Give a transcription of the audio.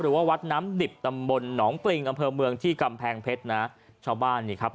วัดน้ำดิบตำบลหนองปริงอำเภอเมืองที่กำแพงเพชรนะชาวบ้านนี่ครับ